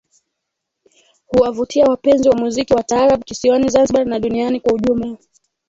Huwavutia wapenzi wa muziki wa taarab kisiwani Zanzibar na duniani kwa ujumla